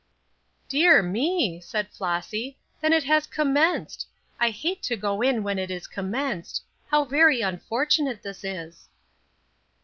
"Dear me!" said Flossy; "then it is commenced; I hate to go in when it is commenced. How very unfortunate this is!"